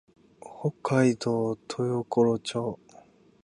北海道豊頃町